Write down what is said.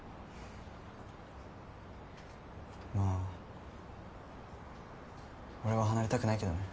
まあ俺は離れたくないけどね。